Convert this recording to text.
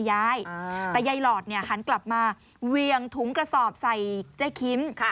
ยายหลอดหันกลับมาเวียงถุงกระสอบใส่เจ๊คิม